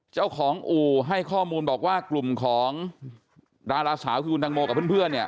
เจ้าของอู่ให้ข้อมูลบอกว่ากลุ่มของดาราสาวคือคุณตังโมกับเพื่อนเนี่ย